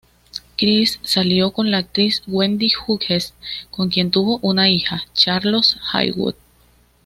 Chris salió con la actriz Wendy Hughes con quien tuvo una hija, Charlotte Haywood.